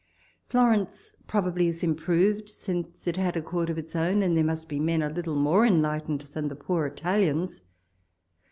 Florence probably is improved since it had a Court of its own, and there must be men a little more enlightened than the poor Italians.